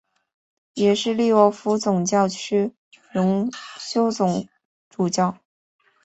也是利沃夫总教区荣休总主教。